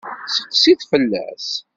Seqsi-t fell-as.